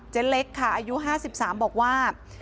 เล็กค่ะอายุ๕๓บอกว่า